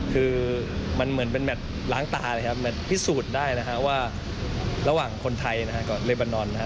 คือมันเหมือนเป็นแมทล้างตาเลยครับแมทพิสูจน์ได้นะฮะว่าระหว่างคนไทยนะฮะกับเลบานอนนะฮะ